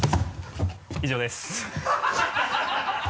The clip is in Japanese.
以上です。